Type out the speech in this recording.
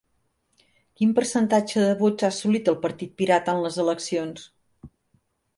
Quin percentatge de vots ha assolit el Partit Pirata en les eleccions?